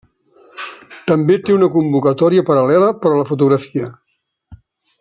També té una convocatòria paral·lela per a la fotografia.